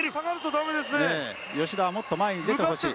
吉田はもっと前に出てほしい。